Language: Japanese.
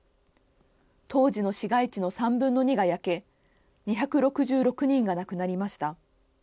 当時の市街地の３分の２が焼け、２６６人が亡くなりました。